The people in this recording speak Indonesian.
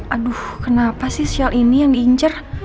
aduh kenapa sih shell ini yang diincar